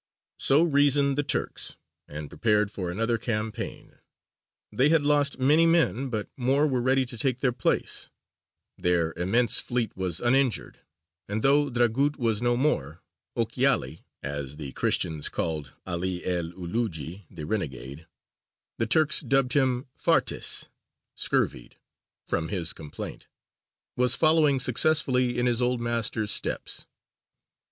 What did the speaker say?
So reasoned the Turks, and prepared for another campaign. They had lost many men, but more were ready to take their place; their immense fleet was uninjured; and though Dragut was no more, Ochiali as the Christians called 'Ali El Ulūji "the Renegade" the Turks dubbed him Fartās, "Scurvied," from his complaint was following successfully in his old master's steps.